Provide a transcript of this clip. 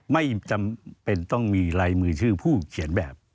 ไม่จำเป็นต้องมีลายมือชื่อผู้เขียนแบบ